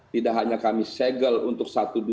tidak hanya kami segel untuk satu dua